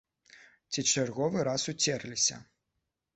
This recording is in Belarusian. Ці чарговы раз уцерліся?